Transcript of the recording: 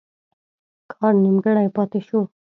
کار نیمګړی پاته شو.